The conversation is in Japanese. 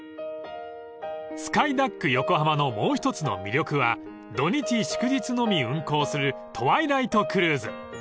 ［スカイダック横浜のもう一つの魅力は土日祝日のみ運航するトワイライトクルーズ］